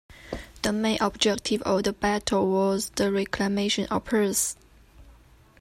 The main objective of the battle was the reclamation of Perth.